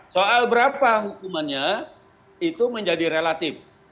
soal berapa hukumannya itu menjadi relatif